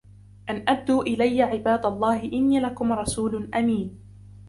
أن أدوا إلي عباد الله إني لكم رسول أمين